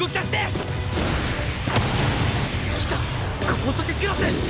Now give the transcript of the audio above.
高速クロス！